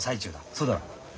そうだろう？